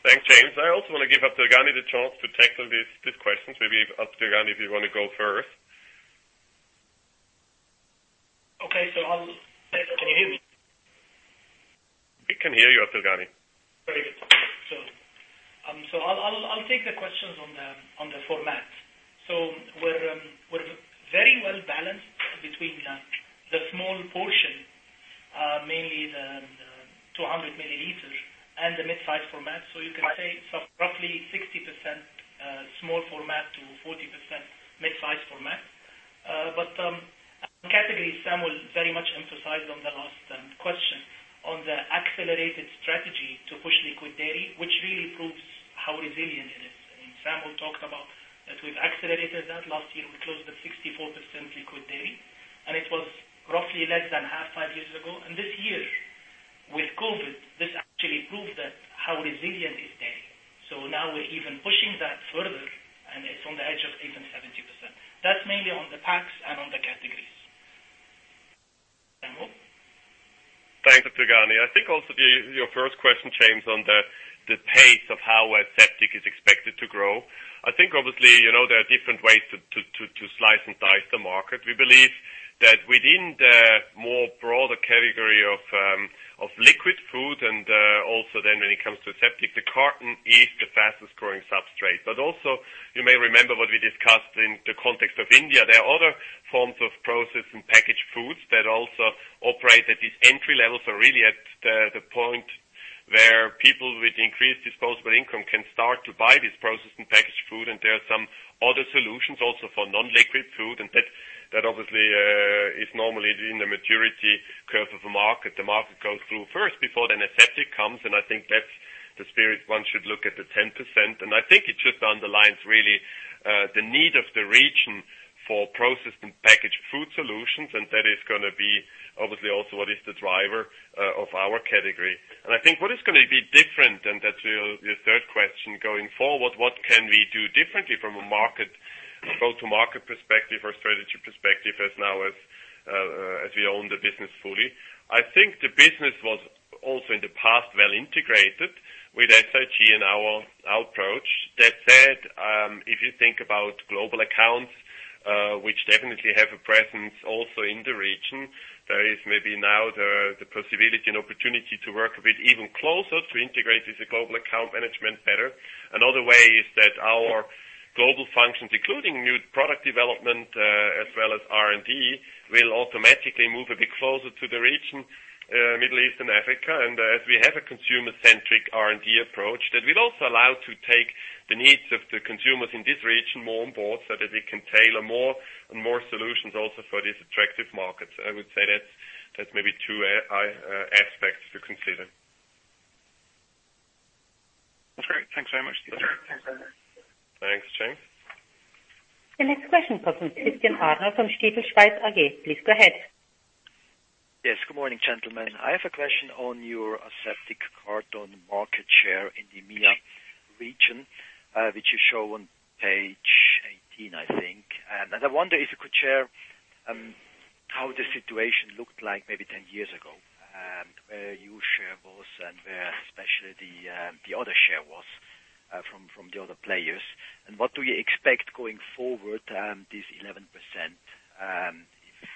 Thanks, James. I also want to give Abdelghany the chance to tackle these questions. Maybe, Abdelghany, if you want to go first. Okay. Can you hear me? We can hear you, Abdelghany. Very good. I'll take the questions on the format. We're very well-balanced between the small portion, mainly the 200 milliliters, and the mid-size format. You can say it's roughly 60% small format to 40% mid-size format. Category, Sam will very much emphasize on the last question on the accelerated strategy to push liquid dairy, which really proves how resilient it is. I mean, Sam will talk about that we've accelerated that. Last year, we closed at 64% liquid dairy, and it was roughly less than half five years ago. This year, with COVID, this actually proved that how resilient is dairy. Now we're even pushing that further, and it's on the edge of even 70%. That's mainly on the packs and on the categories. Samuel? Thanks, Abdelghany. I think also your first question, James, on the pace of how aseptic is expected to grow, I think obviously, there are different ways to slice and dice the market. We believe that within the more broader category of liquid food and also then when it comes to aseptic, the carton is the fastest growing substrate. Also, you may remember what we discussed in the context of India, there are other forms of processed and packaged foods that also operate at this entry level. Really at the point where people with increased disposable income can start to buy this processed and packaged food, there are some other solutions also for non-liquid food, that obviously is normally in the maturity curve of a market. The market goes through first before then aseptic comes, I think that's the spirit one should look at the 10%. I think it just underlines really the need of the region for processed and packaged food solutions, and that is going to be obviously also what is the driver of our category. I think what is going to be different, and that's your third question, going forward, what can we do differently from a go-to market perspective or strategy perspective as now as we own the business fully? I think the business was also in the past well integrated with SIG and our approach. That said, if you think about global accounts, which definitely have a presence also in the region, there is maybe now the possibility and opportunity to work a bit even closer to integrate with the global account management better. Another way is that our global functions, including new product development as well as R&D, will automatically move a bit closer to the region, Middle East and Africa. As we have a consumer-centric R&D approach, that will also allow to take the needs of the consumers in this region more on board so that we can tailor more and more solutions also for these attractive markets. I would say that's maybe two aspects to consider. That's great. Thanks very much. Thanks, James. The next question comes from Christian Arnold from Stifel Schweiz AG. Please go ahead. Yes. Good morning, gentlemen. I have a question on your aseptic carton market share in the EMEA region, which you show on page 18, I think. I wonder if you could share how the situation looked like maybe 10 years ago, where your share was and where especially the other share was from the other players. What do you expect going forward, this 11%?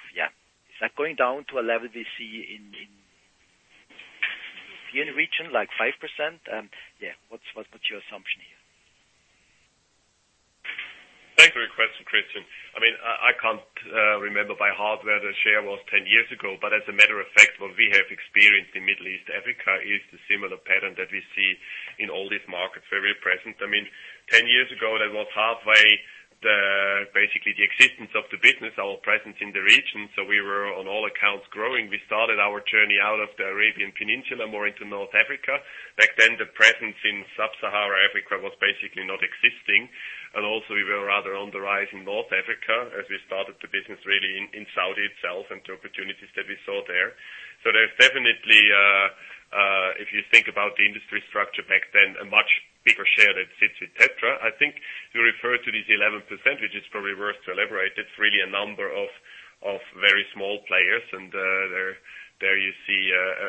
Is that going down to a level we see in European region, like 5%? What's your assumption here? Thanks for your question, Christian. I can't remember by heart where the share was 10 years ago. As a matter of fact, what we have experienced in Middle East, Africa is the similar pattern that we see in all these markets where we're present. 10 years ago, that was halfway, basically the existence of the business, our presence in the region. We were on all accounts growing. We started our journey out of the Arabian Peninsula more into North Africa. Back then, the presence in Sub-Sahara Africa was basically not existing, and also we were rather on the rise in North Africa as we started the business really in Saudi itself and the opportunities that we saw there. There's definitely, if you think about the industry structure back then, a much bigger share that sits with Tetra. I think you refer to this 11%, which is probably worth to elaborate. It's really a number of very small players, and there you see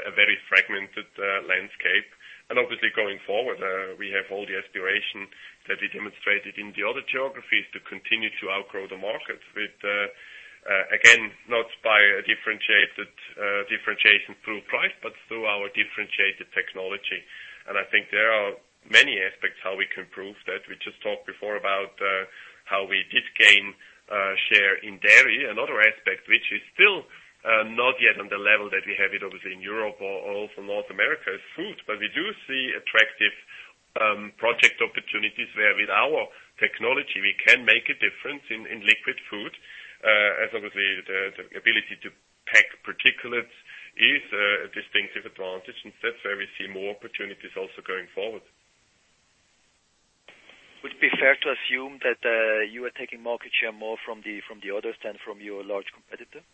a very fragmented landscape. Obviously, going forward, we have all the aspiration that we demonstrated in the other geographies to continue to outgrow the market with, again, not by a differentiation through price, but through our differentiated technology. I think there are many aspects how we can prove that. We just talked before about how we did gain share in dairy. Another aspect which is still not yet on the level that we have it obviously in Europe or also North America is food, but we do see attractive project opportunities where with our technology, we can make a difference in liquid food. Obviously, the ability to pack particulates is a distinctive advantage, and that's where we see more opportunities also going forward. Would it be fair to assume that you are taking market share more from the others than from your large competitor?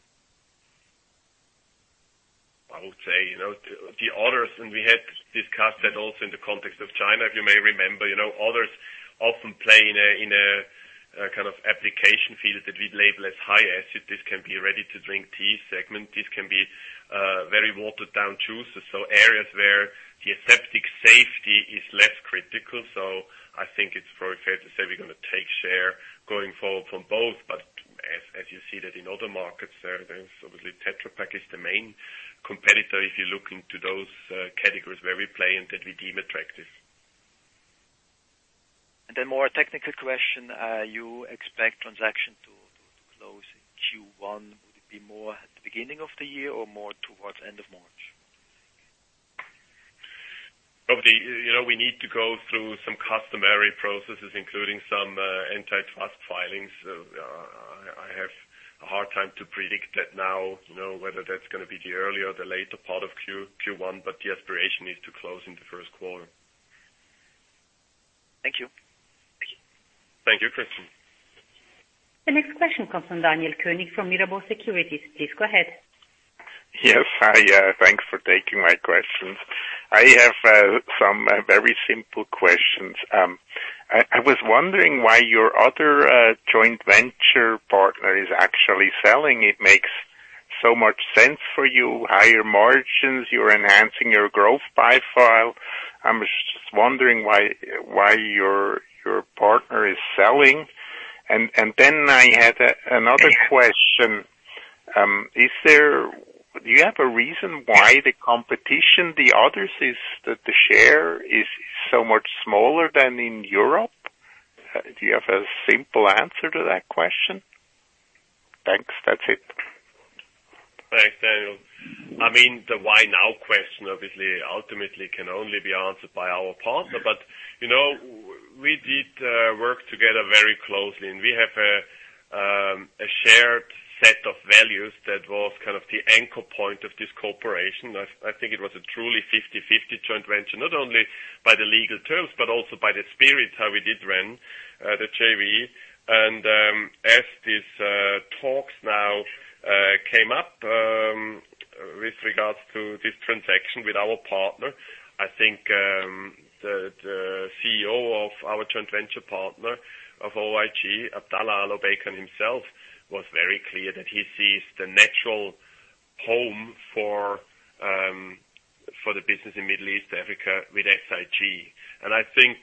I would say, the others, and we had discussed that also in the context of China, if you may remember. Others often play in a kind of application field that we label as high-acid. This can be ready-to-drink tea segment. This can be very watered-down juices. Areas where the aseptic safety is less critical. I think it's probably fair to say we're going to take share going forward from both. As you see that in other markets, obviously Tetra Pak is the main competitor if you look into those categories where we play and that we deem attractive. More technical question. You expect transaction to close in Q1. Would it be more at the beginning of the year or more towards end of March? Probably. We need to go through some customary processes, including some antitrust filings. I have a hard time to predict that now, whether that's going to be the earlier or the later part of Q1, but the aspiration is to close in the first quarter. Thank you. Thank you, Christian. The next question comes from Daniel Koenig from Mirabaud Securities. Please go ahead. Yes. Hi. Thanks for taking my questions. I have some very simple questions. I was wondering why your other joint venture partner is actually selling. It makes so much sense for you. Higher margins, you're enhancing your growth profile. I'm just wondering why your partner is selling. Then I had another question. Do you have a reason why the competition, the others, is that the share is so much smaller than in Europe? Do you have a simple answer to that question? Thanks. That's it. Thanks, Daniel. I mean, the why now question obviously ultimately can only be answered by our partner. We did work together very closely, and we have a shared set of values that was the anchor point of this cooperation. I think it was a truly 50/50 joint venture, not only by the legal terms, but also by the spirit, how we did run the JV. As these talks now came up with regards to this transaction with our partner, I think the CEO of our joint venture partner of OIG, Abdallah Al Obeikan himself, was very clear that he sees the natural home for the business in Middle East, Africa with SIG. I think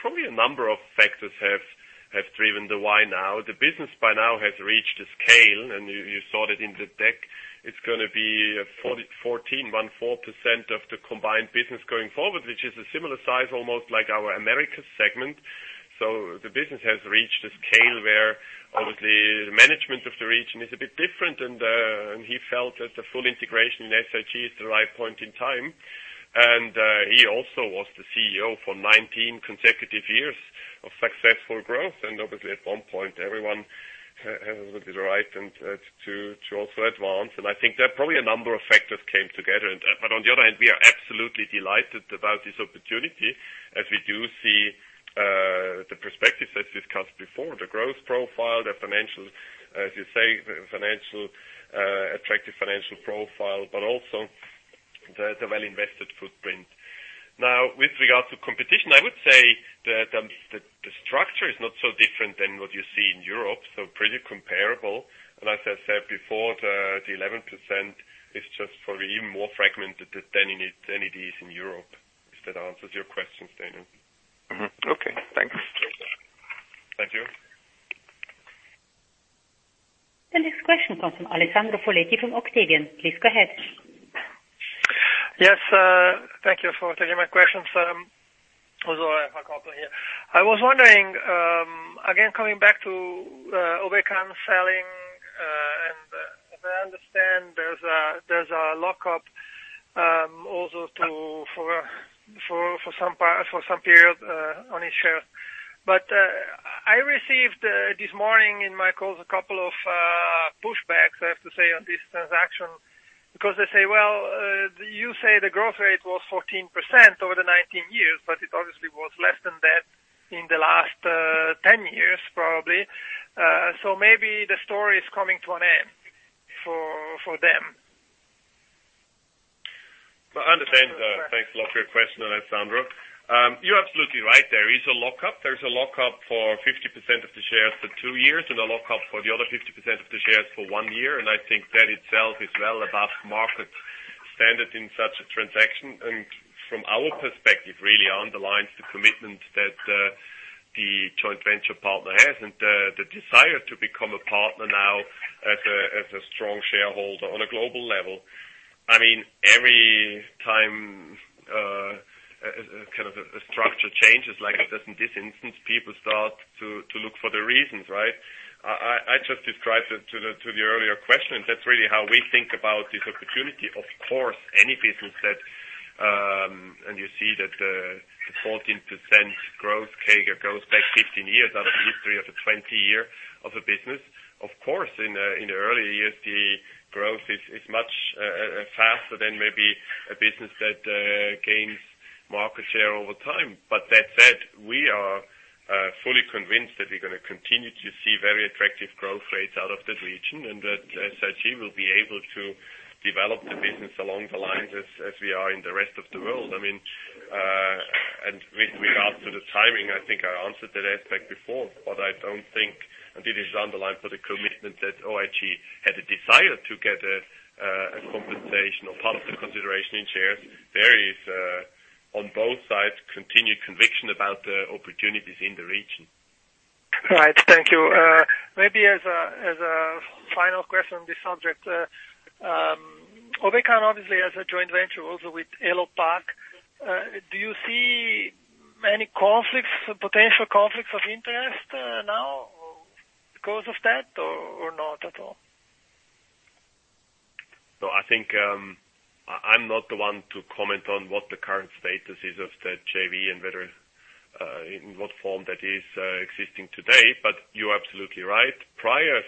probably a number of factors have driven the why now. The business by now has reached a scale, and you saw that in the deck. It's going to be 14.14% of the combined business going forward, which is a similar size almost like our Americas segment. The business has reached a scale where obviously the management of the region is a bit different and he felt that the full integration in SIG is the right point in time. He also was the CEO for 19 consecutive years of successful growth and obviously at one point, everyone has the right to also advance. I think that probably a number of factors came together. On the other hand, we are absolutely delighted about this opportunity as we do see the perspectives as discussed before, the growth profile, the financial, as you say, attractive financial profile, but also the well-invested footprint. With regards to competition, I would say that the structure is not so different than what you see in Europe, so pretty comparable. As I said before, the 11% is just probably even more fragmented than it is in Europe, if that answers your question, Daniel. Okay. Thanks. Thank you. The next question comes from Alessandro Foletti from Octavian. Please go ahead. Yes. Thank you for taking my questions. Also, I have a couple here. I was wondering, again, coming back to Al Obeikan selling, and as I understand there's a lockup also for some period on his shares. I received this morning in my calls a couple of pushbacks, I have to say, on this transaction because they say, well, you say the growth rate was 14% over the 19 years, but it obviously was less than that in the last 10 years, probably. Maybe the story is coming to an end for them. I understand. Thanks a lot for your question, Alessandro. You're absolutely right. There is a lockup. There's a lockup for 50% of the shares for two years and a lockup for the other 50% of the shares for one year. I think that itself is well above market standard in such a transaction. From our perspective, really underlines the commitment that the joint venture partner has and the desire to become a partner now as a strong shareholder on a global level. Every time a structure changes like this, in this instance, people start to look for the reasons, right? I just described to the earlier question, that's really how we think about this opportunity. You see that the 14% growth CAGR goes back 15 years out of the history of the 20-year of the business. Of course, in the early years, the growth is much faster than maybe a business that gains market share over time. That said, we are fully convinced that we're going to continue to see very attractive growth rates out of that region and that SIG will be able to develop the business along the lines as we are in the rest of the world. With regard to the timing, I think I answered that aspect before. It is underlined for the commitment that OIG had a desire to get a compensation or part of the consideration in shares. There is, on both sides, continued conviction about the opportunities in the region. Right. Thank you. Maybe as a final question on this subject. Obeikan obviously has a joint venture also with Elopak. Do you see any potential conflicts of interest now because of that or not at all? No. I'm not the one to comment on what the current status is of the JV and in what form that is existing today. You're absolutely right. Prior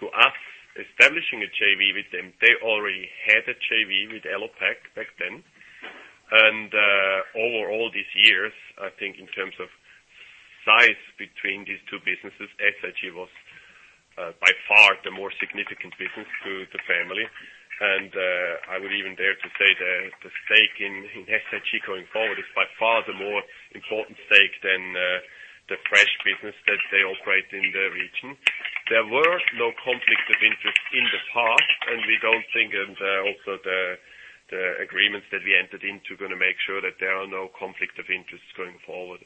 to us establishing a JV with them, they already had a JV with Elopak back then. Over all these years, I think in terms of size between these two businesses, SIG was by far the more significant business to the family. I would even dare to say the stake in SIG going forward is by far the more important stake than the fresh business that they operate in the region. There were no conflicts of interest in the past. We don't think also the agreements that we entered into are going to make sure that there are no conflicts of interest going forward.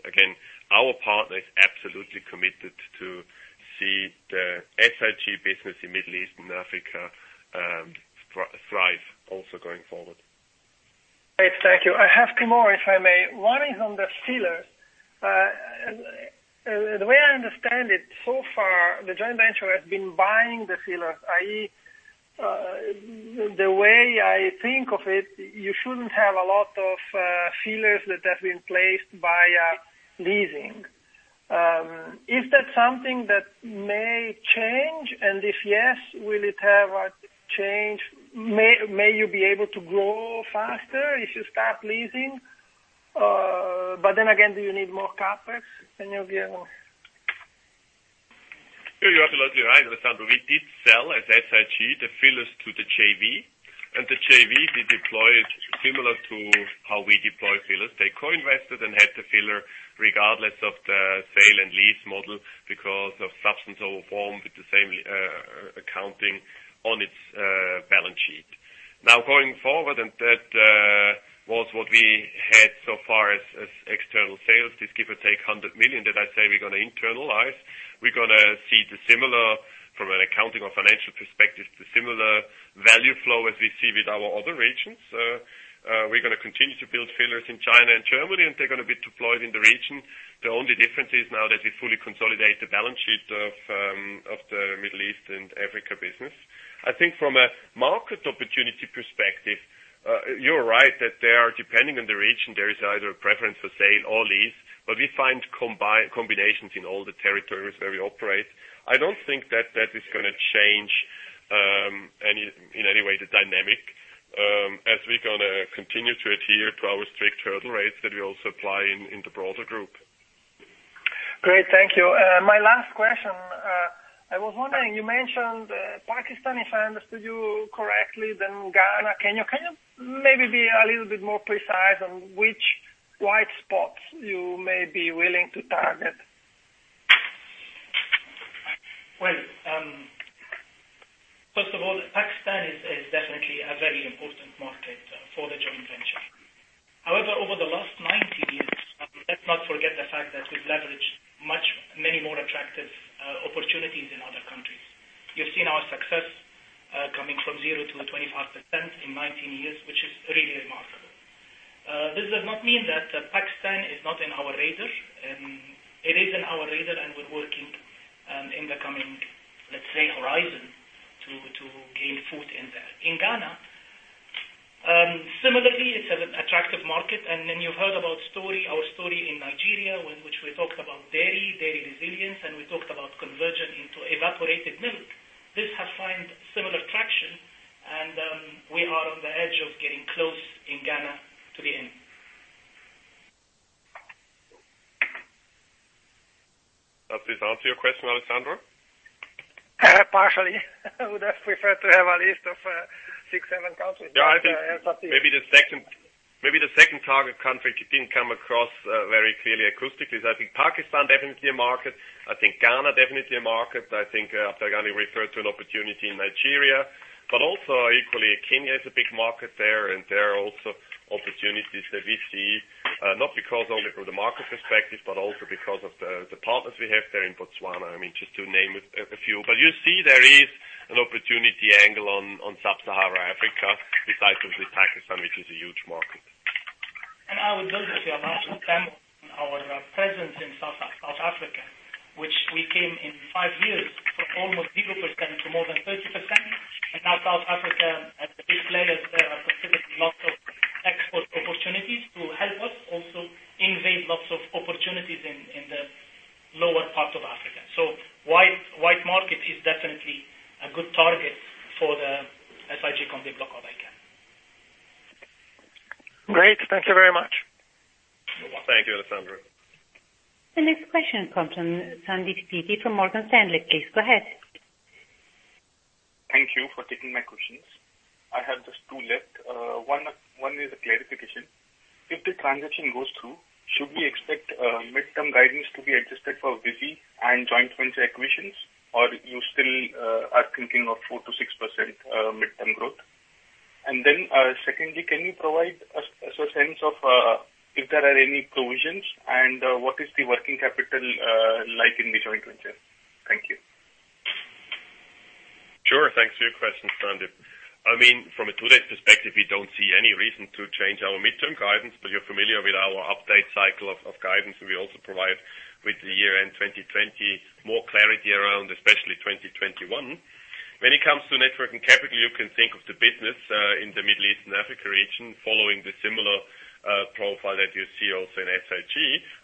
Our partner is absolutely committed to see the SIG business in Middle East and Africa thrive also going forward. Great. Thank you. I have two more, if I may. One is on the fillers. The way I understand it so far, the joint venture has been buying the fillers, i.e., the way I think of it, you shouldn't have a lot of fillers that have been placed via leasing. Is that something that may change? If yes, will it have a change? May you be able to grow faster if you start leasing? Do you need more CapEx? You're absolutely right, Alessandro. We did sell, as SIG, the fillers to the JV, and the JV did deploy it similar to how we deploy fillers. They co-invested and had the filler regardless of the sale and lease model because of substantial form with the same accounting on its balance sheet. Now, going forward, and that was what we had so far as external sales, this give or take 100 million that I say we're going to internalize. We're going to see the similar, from an accounting or financial perspective, the similar value flow as we see with our other regions. We're going to continue to build fillers in China and Germany, and they're going to be deployed in the region. The only difference is now that we fully consolidate the balance sheet of the Middle East and Africa business. I think from a market opportunity perspective, you're right that they are depending on the region. There is either a preference for sale or lease, but we find combinations in all the territories where we operate. I don't think that is going to change in any way the dynamic, as we're going to continue to adhere to our strict hurdle rates that we also apply in the broader group. Great. Thank you. My last question. I was wondering, you mentioned Pakistan, if I understood you correctly, then Ghana, Kenya. Can you maybe be a little bit more precise on which white spots you may be willing to target? Well, first of all, Pakistan is definitely a very important market for the joint venture. However, over the last 19 years, let's not forget the fact that we've leveraged many more attractive opportunities in other countries. You've seen our success coming from zero to 25% in 19 years, which is really remarkable. This does not mean that Pakistan is not in our radar. It is in our radar, and we're working in the coming, let's say, horizon to gain foot in there. In Ghana, similarly, it's an attractive market. You've heard about our story in Nigeria, in which we talked about dairy resilience, and we talked about conversion into evaporated milk. This has found similar traction, and we are on the edge of getting close in Ghana to the end. Does this answer your question, Alessandro? Partially. I would have preferred to have a list of six, seven countries. Yeah. I think maybe the second target country didn't come across very clearly acoustically. I think Pakistan, definitely a market. I think Ghana, definitely a market. I think Abdallah already referred to an opportunity in Nigeria. Also equally, Kenya is a big market there, and there are also opportunities that we see, not because only from the market perspective, but also because of the partners we have there in Botswana, just to name a few. You see there is an opportunity angle on Sub-Saharan Africa, besides obviously Pakistan, which is a huge market. I would also say I'm also proud of our presence in South Africa, which we came in five years from almost 0% to more than 30%. Now South Africa, at the display, there are specifically lots of export opportunities to help us also penetrate lots of opportunities in the lower parts of Africa. White space market is definitely a good target for the SIG Combibloc. Great. Thank you very much. Thank you, Alessandro. The next question comes from Sandeep Deshpande from Morgan Stanley. Please go ahead. Thank you for taking my questions. I have just two left. One is a clarification. If the transaction goes through, should we expect midterm guidance to be adjusted for Visy and joint venture acquisitions? You still are thinking of 4%-6% midterm growth? Secondly, can you provide us a sense of if there are any provisions, and what is the working capital like in the joint venture? Thank you. Sure. Thanks for your question, Sandeep. From a today's perspective, we don't see any reason to change our midterm guidance, but you're familiar with our update cycle of guidance. We also provide with the year-end 2020 more clarity around especially 2021. When it comes to net working capital, you can think of the business in the Middle East and Africa region following the similar profile that you see also in SIG.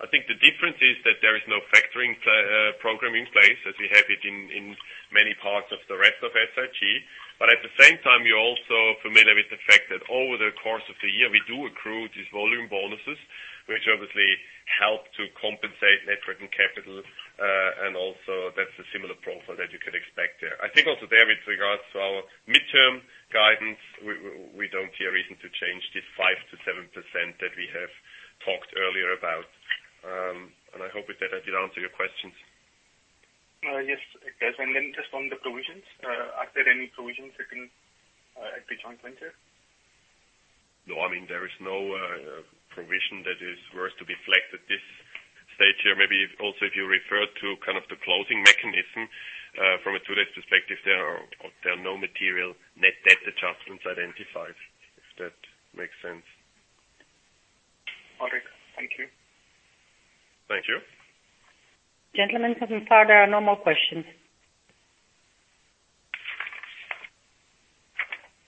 I think the difference is that there is no factoring program in place as we have it in many parts of the rest of SIG. At the same time, you're also familiar with the fact that over the course of the year, we do accrue these volume bonuses, which obviously help to compensate net working capital. Also that's a similar profile that you can expect there. I think also there with regards to our midterm guidance, we don't see a reason to change this 5% to 7% that we have talked earlier about. I hope with that I did answer your questions. Yes, it does. Just on the provisions, are there any provisions taken at the joint venture? There is no provision that is worth to be flagged at this stage here. Maybe also if you refer to the closing mechanism, from a today's perspective, there are no material net debt adjustments identified, if that makes sense. Okay. Thank you. Thank you. Gentlemen, so far there are no more questions.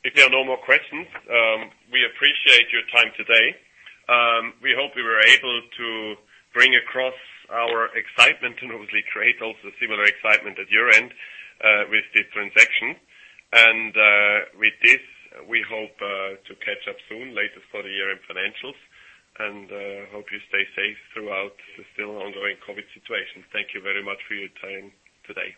If there are no more questions, we appreciate your time today. We hope we were able to bring across our excitement and obviously create also similar excitement at your end with this transaction. With this, we hope to catch up soon, latest for the year-end financials, and hope you stay safe throughout the still ongoing COVID-19 situation. Thank you very much for your time today.